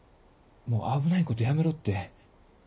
もう危ないことやめろって。